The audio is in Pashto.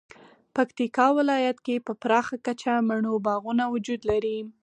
پکتیکا ولایت کې په پراخه کچه مڼو باغونه وجود لري